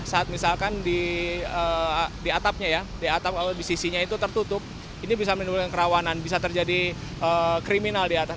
saat misalkan di atapnya ya di atap atau di sisinya itu tertutup ini bisa menimbulkan kerawanan bisa terjadi kriminal di atas